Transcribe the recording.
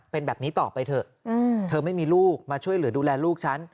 เป็นแบบนี้ต่อไปเถอะเธอไม่มีลูกมาช่วยเหลือดูแลลูกฉัน